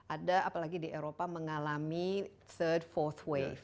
ada apalagi di eropa mengalami third force wave